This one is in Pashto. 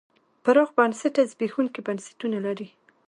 پراخ بنسټه زبېښونکي بنسټونه لري.